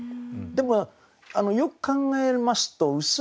でもよく考えますと「羅」